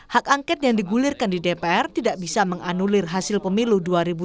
hak angket yang digulirkan di dpr tidak bisa menganulir hasil pemilu dua ribu dua puluh